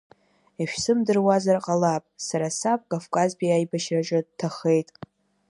Ишәзымдыруазар ҟалап сара саб Кавказтәи аибашьраҿы дҭахеит.